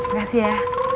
gak sih ya